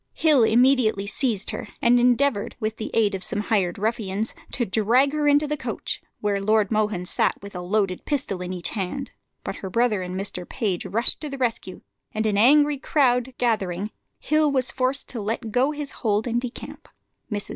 Hill immediately seized her, and endeavoured, with the aid of some hired ruffians, to drag her into the coach, where Lord Mohun sat with a loaded pistol in each hand; but her brother and Mr. Page rushing to the rescue, and an angry crowd gathering, Hill was forced to let go his hold and decamp. Mrs.